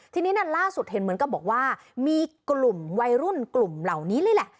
ทีนี้ล่าสุดเห็นเหมือนกับบอกว่ามีกลุ่มวัยรุ่นกลุ่มเหล่านี้เลยแหละ